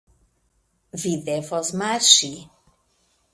Vi devos marŝi.